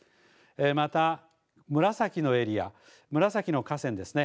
また紫のエリア、紫の河川ですね。